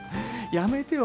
やめてよ